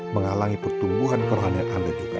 menghalangi pertumbuhan kemahannya anda juga